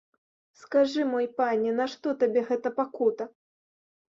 Скажы, мой пане, нашто табе гэта пакута?